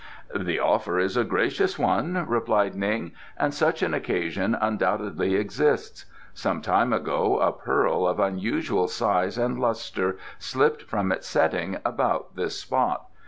"The offer is a gracious one," replied Ning, "and such an occasion undoubtedly exists. Some time ago a pearl of unusual size and lustre slipped from its setting about this spot.